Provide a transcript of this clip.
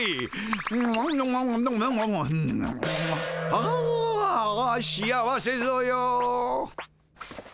あ幸せぞよ。